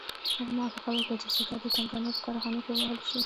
هغه موافقه وکړه چې سکه د کمپنۍ په کارخانو کې ووهل شي.